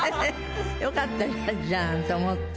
よかったじゃんと思って。